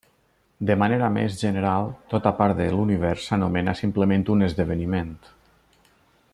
De manera més general, tota part de l'univers s'anomena simplement un esdeveniment.